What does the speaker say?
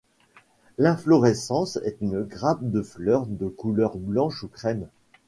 L'inflorescence est une grappe de fleurs de couleur blanche ou crème.